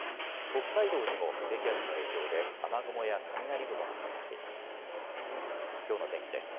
北海道にも低気圧の影響で雨雲や雷雲がかかっています。